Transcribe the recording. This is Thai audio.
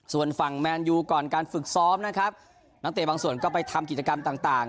ส่วนฝั่งแมนยูก่อนการฝึกซ้อมนะครับนักเตะบางส่วนก็ไปทำกิจกรรมต่าง